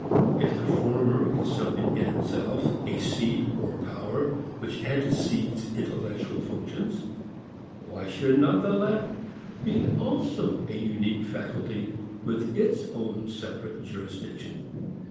If the former is something in itself, a seat or power which antecedes intellectual functions, why should not the latter be also a unique faculty with its own separate jurisdiction?